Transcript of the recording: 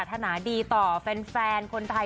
ส่วนที่เป็นที่สุดได้